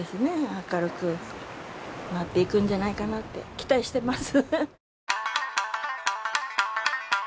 明るくなっていくんじゃないかなって期待してます